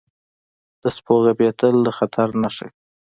• د سپو غپېدل د خطر نښه وي.